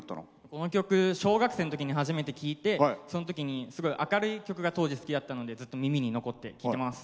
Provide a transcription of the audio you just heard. この曲、小学生のときに初めて聴いてそのときに、当時明るい曲が好きだったので耳に残って聴いてます。